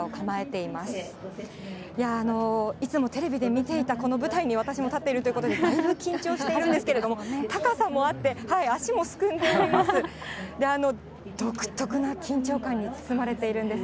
いつもテレビで見ていたこの舞台に私も立っているということで、だいぶ緊張しているんですけれども、高さもあって、足もすくんでしまいます。